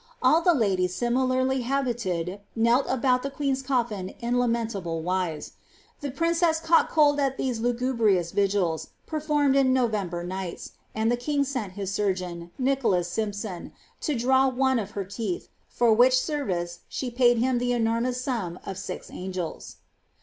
All the ladies, similarly habited, knell about the queen''B colfin in "lamentable uise." The princess caught cold at these lugubrious vigils, performed in November nights 1 and the king sent his surgeon, Nicolas Simpson, to dmw oat «f her leeili, for which service she paid hira the enormous fee of u"^ •ngels.'